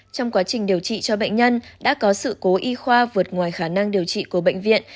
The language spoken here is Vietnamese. trong quá trình điều trị cho bệnh nhân đã có sự cố y khoa vượt ngoài khả năng điều trị của bệnh viện